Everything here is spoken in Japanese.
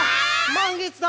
「満月だ！」